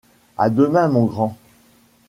À demain, mon grand.